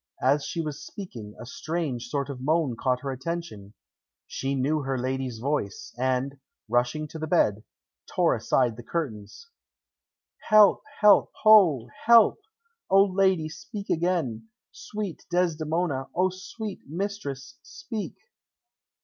As she was speaking, a strange sort of moan caught her attention. She knew her lady's voice, and, rushing to the bed, tore aside the curtains. "Help! help, ho! Help! O lady, speak again! Sweet Desdemona! O sweet mistress, speak!"